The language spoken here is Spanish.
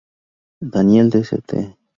Danielle de St.